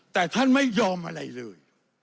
แต่ท่านไม่ยอมอะไรเลย